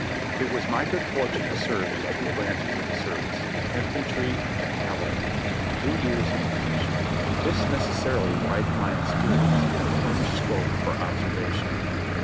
It was my good fortune to serve in two branches of the service : infantry and cavalry — two years in each. This necessarily widened my experience and furnished scope for observation.